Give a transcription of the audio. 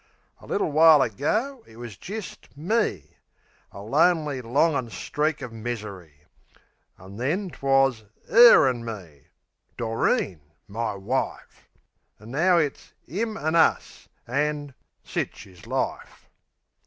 A little while ago it was jist "me" A lonely, longin' streak o' misery. An' then 'twas "'er an' me" Doreen, my wife! An' now it's "'im an' us" an' sich is life.